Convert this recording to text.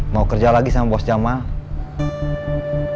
mau kerja lagi sama bos jamaah